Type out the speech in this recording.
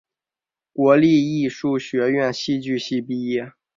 国立艺术学院戏剧系毕业。